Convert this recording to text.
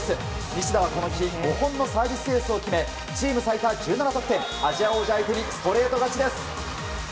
西田はこの日５本のサービスエースを決めチーム最多１７得点アジア王者相手にストレート勝ちです。